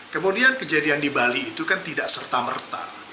kemudian kejadian di bali itu kan tidak serta merta